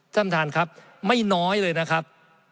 ท่านประธานครับไม่น้อยเลยนะครับ